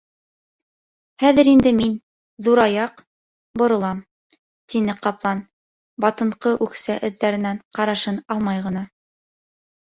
— Хәҙер инде мин, Ҙур Аяҡ, боролам, — тине ҡаплан, батынҡы үксә эҙҙәренән ҡарашын алмай ғына.